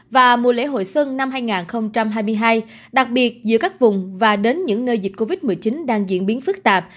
và mùa lễ hội xuân năm hai nghìn hai mươi hai đặc biệt giữa các vùng và đến những nơi dịch covid một mươi chín đang diễn biến phức tạp